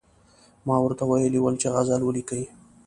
ما ورته ویلي ول چې غزل ولیکئ.